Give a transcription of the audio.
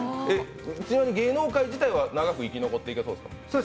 ちなみに芸能界自体は長く生き残っていきそうですか？